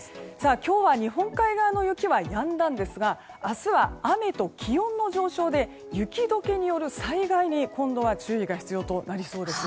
今日は日本海側の雪はやんだんですが明日は雨と気温の上昇で雪解けによる災害に、今度は注意が必要となりそうです。